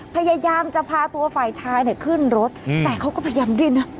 พยายามจะพาตัวฝ่ายชายเนี่ยขึ้นรถแต่เขาก็พยายามดิ้นนะ